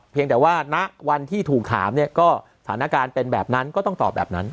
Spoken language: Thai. แต่ว่าณวันที่ถูกถามเนี่ยก็สถานการณ์เป็นแบบนั้นก็ต้องตอบแบบนั้น